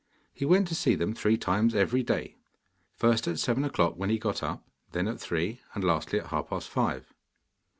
He went to see them three times every day: first at seven o'clock, when he got up, then at three, and lastly at half past five.